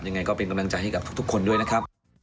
ยังไงก็เป็นกำลังใจให้กับทุกคนด้วยนะครับ